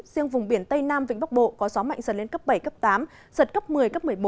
riêng vùng biển tây nam vĩnh bắc bộ có gió mạnh dần lên cấp bảy cấp tám giật cấp một mươi cấp một mươi một